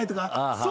そう。